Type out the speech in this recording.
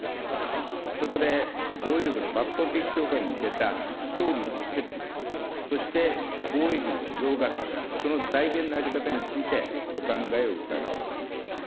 そこで防衛力の抜本的強化に向けた総理の決意、そして防衛費の増額、その財源の在り方についてお考えを伺います。